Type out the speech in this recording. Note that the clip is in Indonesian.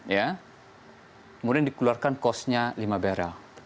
kemudian dikeluarkan costnya lima barrel